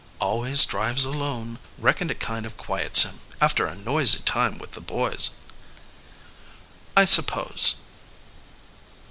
"Always drives alone. Reckon it kind of quiets him, after a noisy time with the boy." "I suppose."